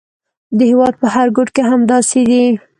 د هېواد په هر ګوټ کې همداسې دي.